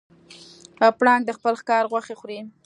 پړانګ د خپل ښکار غوښې خوري.